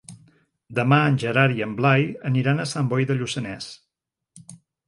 Demà en Gerard i en Blai aniran a Sant Boi de Lluçanès.